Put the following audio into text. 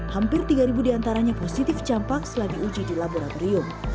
hampir tiga ribu diantaranya positif campak selagi uji di laboratorium